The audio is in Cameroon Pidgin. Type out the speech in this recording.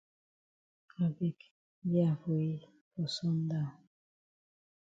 I beg gi am for yi for sun down.